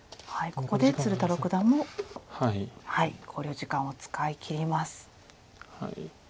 ここで鶴田六段も考慮時間を使いきります。